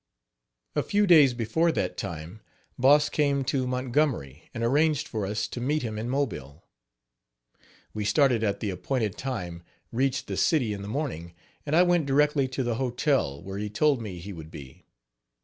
A few days before that time, Boss came to Montgomery and arranged for us to meet him in Mobile. We started at the appointed time, reached the city in the morning and I went directly to the hotel where he told me he would be.